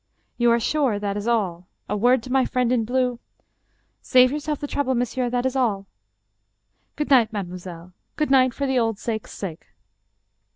" You are sure that is all ? A word to my friend in tlue "" Save yburself the trouble, monsieur. That is all." " Good night, mademoiselle. Good night for the old sake's sake."